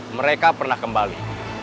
mereka pernah kembali